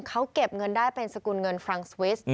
เขาเก็บเงินได้เป็นสกุลเงินฟรังสวิส